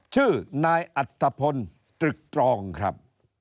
ชื่อนายอัตภพลตรึกตรองครับ